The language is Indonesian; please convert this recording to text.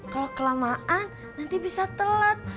kalau kelamaan nanti bisa telat